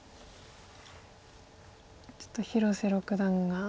ちょっと広瀬六段が。